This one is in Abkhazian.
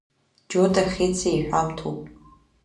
Џьота Хьециаиҳәамҭоуп.